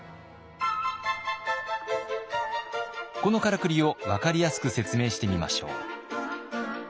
このカラクリを分かりやすく説明してみましょう。